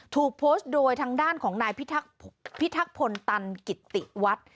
ถูกโพสต์โดยทางด้านของนายพิทักพลตันกิติวัฒน์